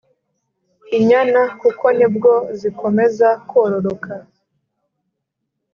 Inyana kuko nibwo zikomeza kororoka